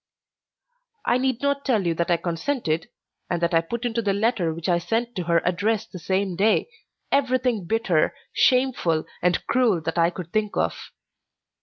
I need not tell you that I consented, and that I put into the letter which I sent to her address the same day, everything bitter, shameful, and cruel that I could think of.